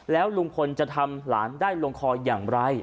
แล้วลุงพลจะทำหลานได้ลงคออย่างไร